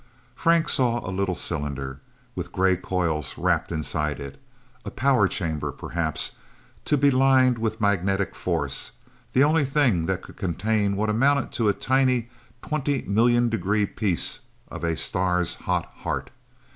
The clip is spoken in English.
Frank saw a little cylinder, with grey coils wrapped inside it a power chamber, perhaps, to be lined with magnetic force, the only thing that could contain what amounted to a tiny twenty million degree piece of a star's hot heart.